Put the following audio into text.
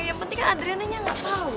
yang penting kan adriananya gak tau